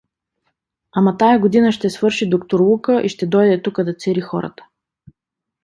— Ама тая година ще свърши докторлука и ще дойде тук да цери хората.